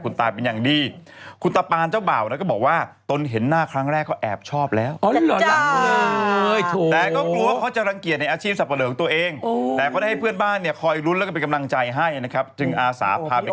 ก่อนที่จะนำงูเหลือมใส่ถุงเพื่อไปปล่อยคืนสู่ธรรมชาติ